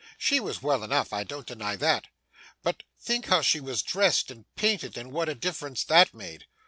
'She was well enough, I don't deny that; but think how she was dressed and painted, and what a difference that made.